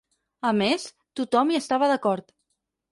A més, tothom hi estava d'acord.